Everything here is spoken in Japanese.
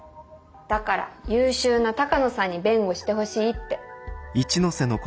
だから優秀な鷹野さんに弁護してほしいって。